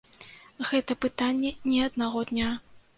Гэта пытанне не аднаго дня.